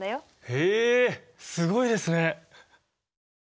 へえすごいですね。